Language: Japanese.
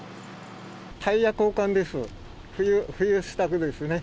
タイヤ交換です。